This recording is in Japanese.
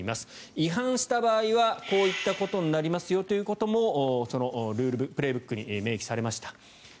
違反した場合はこういったことになりますよというのもその「プレーブック」に明記されました。